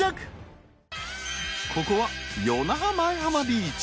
ここは与那覇前浜ビーチ